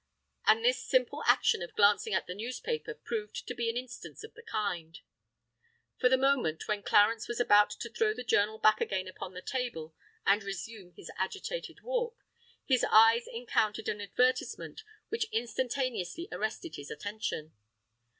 And this simple action of glancing at the newspaper proved to be an instance of the kind. For at the moment when Clarence was about to throw the journal back again upon the table and resume his agitated walk, his eyes encountered an advertisement which instantaneously arrested his attention.